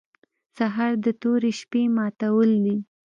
سهار د تورې شپې ماتول دي.